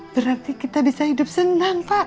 berarti kita bisa hidup senang pak